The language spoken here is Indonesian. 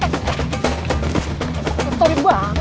eh kok ketepetanin gue ah